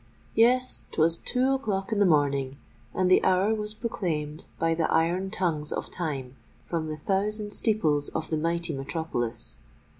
Yes—'twas two o'clock in the morning; and the hour was proclaimed by the iron tongues of Time, from the thousand steeples of the mighty metropolis.